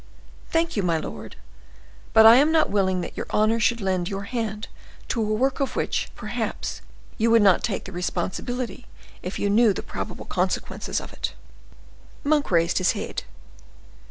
"Thank you, my lord; but I am not willing that your honor should lend your hand to a work of which, perhaps, you would not take the responsibility if you knew the probable consequences of it." Monk raised his head.